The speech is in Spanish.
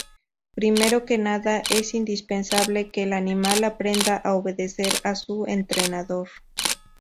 Primero que nada, es indispensable que el animal aprenda a obedecer a su entrenador.